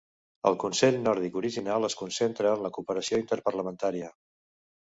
El Consell Nòrdic original es concentra en la cooperació interparlamentària.